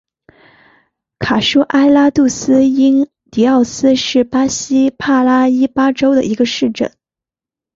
卡舒埃拉杜斯因迪奥斯是巴西帕拉伊巴州的一个市镇。